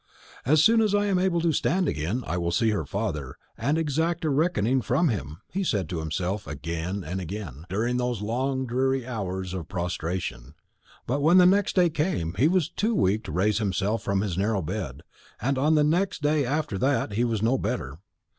"As soon as I am able to stand again, I will see her father, and exact a reckoning from him," he said to himself again and again, during those long dreary hours of prostration; but when the next day came, he was too weak to raise himself from his narrow bed, and on the next day after that he was no better.